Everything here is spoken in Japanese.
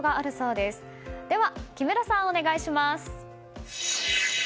では木村さん、お願いします。